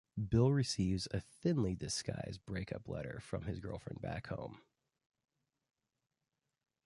Bill receives a thinly-disguised break-up letter from his girlfriend back home.